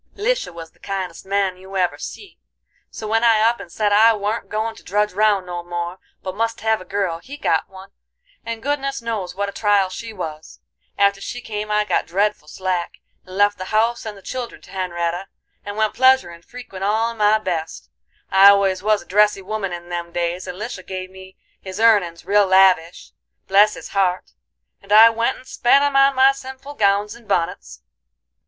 "Lisha was the kindest man you ever see, so when I up and said I warn't goin' to drudge round no more, but must hev a girl, he got one, and goodness knows what a trial she was. After she came I got dreadful slack, and left the house and the children to Hen'retta, and went pleasurin' frequent all in my best. I always was a dressy woman in them days, and Lisha give me his earnin's real lavish, bless his heart! and I went and spent 'em on my sinful gowns and bunnets."